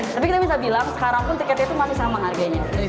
tapi kita bisa bilang sekarang pun tiket itu masih sama harganya